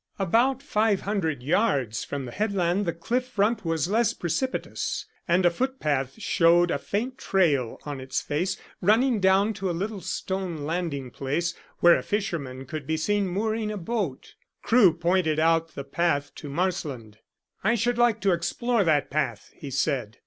About five hundred yards from the headland the cliff front was less precipitous, and a footpath showed a faint trail on its face, running down to a little stone landing place, where a fisherman could be seen mooring a boat. Crewe pointed out the path to Marsland. "I should like to explore that path," he said.